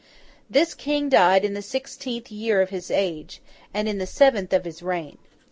This King died in the sixteenth year of his age, and in the seventh of his reign.